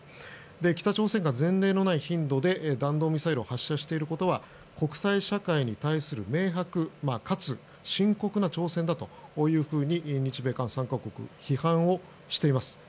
北朝鮮が前例のない頻度で弾道ミサイルを発射していることは国際社会に対する明白かつ深刻な挑戦だと日米韓３か国は批判しています。